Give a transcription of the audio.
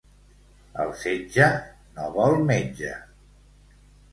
El setge no vol metge.